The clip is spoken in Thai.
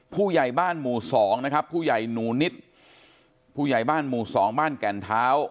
ผู้ใหญ่บ้านหมู่สองนะครับผู้ใหญ่หนูนิดผู้ใหญ่บ้านหมู่สองบ้านแก่นเท้า